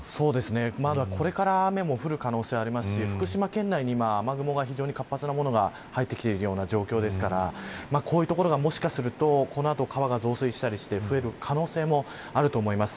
これから雨も降る可能性がありますし福島県内にも雨雲が非常に活発なものが入ってきているような状況ですからこういった所がもしかするとこの後、川が増水して増える可能性もあると思います。